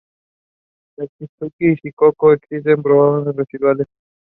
The winner is awarded the North Star Shield.